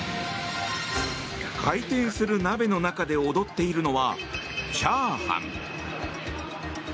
回転する鍋の中で踊っているのはチャーハン。